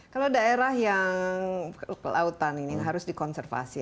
kalau daerah yang kelautan ini harus dikonservasi